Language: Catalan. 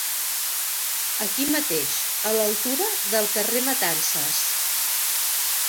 Aquí mateix, a l'altura del carrer Matances.